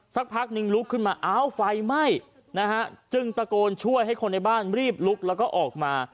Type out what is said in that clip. สักพักนึงลุกขึ้นมาอ้าวไฟไหม้นะฮะจึงตะโกนช่วยให้คนในบ้านรีบลุกแล้วก็ออกมา